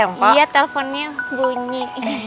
terempok ya teleponnya bunyi